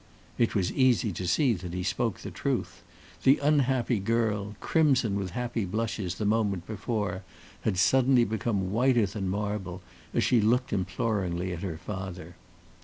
It was easy to see that he spoke the truth. The unhappy girl, crimson with happy blushes the moment before, had suddenly become whiter than marble, as she looked imploringly at her father.